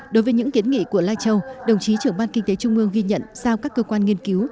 đối với những kiến nghị của lai châu đồng chí trưởng ban kinh tế trung ương ghi nhận sao các cơ quan nghiên cứu